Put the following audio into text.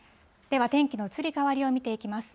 では、天気の移り変わりを見ていきます。